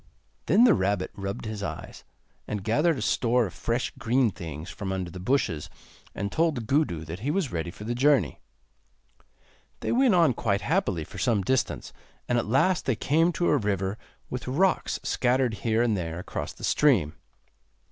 Then the rabbit rubbed his eyes, and gathered a store of fresh green things from under the bushes, and told Gudu that he was ready for the journey. They went on quite happily for some distance, and at last they came to a river with rocks scattered here and there across the stream.